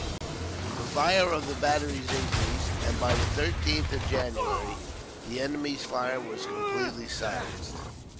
The fire of the batteries increased, and by the 13th of January the enemy's fire was completely silenced.